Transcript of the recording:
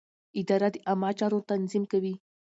اداره د عامه چارو تنظیم کوي.